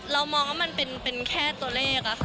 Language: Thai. เรามองว่ามันเป็นแค่ตัวเลขอะค่ะ